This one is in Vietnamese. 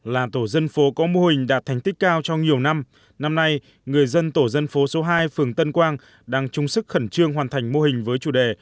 là tổ dân phố có mô hình đạt thành tích cao trong nhiều năm năm nay người dân tổ dân phố số hai phường tân quang đang chung sức khẩn trương hoàn thành mô hình với chủ đề